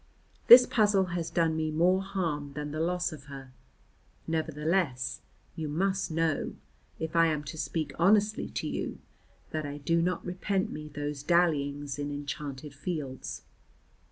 This puzzle has done me more harm than the loss of her. Nevertheless, you must know (if I am to speak honestly to you) that I do not repent me those dallyings in enchanted fields.